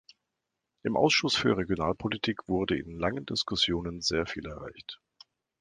Im Ausschuss für Regionalpolitik wurde in langen Diskussionen sehr viel erreicht.